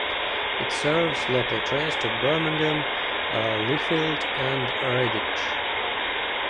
It serves local trains to Birmingham, Lichfield and Redditch.